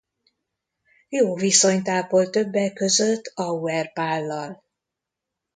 Jó viszonyt ápolt többek között Auer Pállal.